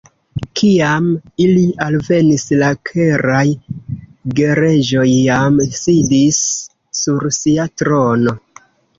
Kiam ili alvenis, la Keraj Gereĝoj jam sidis sur sia trono.